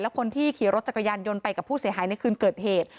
คนที่ขี่รถจักรยานยนต์ไปกับผู้เสียหายในคืนเกิดเหตุ